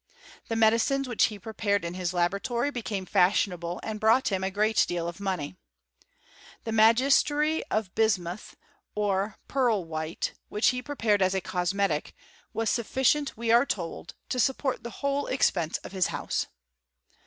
The medi ' cines which he prepared in his laboratory became' fashionable, and brought him a great deal of moneyl' The magistery of biarauth (or pearl white), which hif prepared as a cosmetic, was sufficient, we are told, to' support the whole expense of his house.